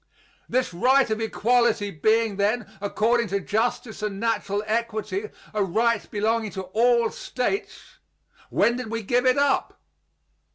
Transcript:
This right of equality being, then, according to justice and natural equity, a right belonging to all States, when did we give it up?